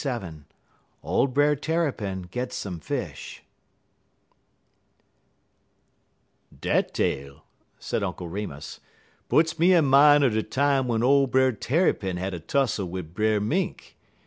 LXVII OLD BRER TERRAPIN GETS SOME FISH "Dat tale," said Uncle Remus, "puts me in min' er de time w'en ole Brer Tarrypin had a tussel wid Brer Mink.